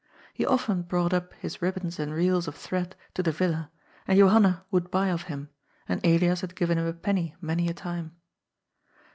He often brought up his ribbons and reels of thread to the Villa, and Johanna would buy of him, and Elias had given him a penny many a time.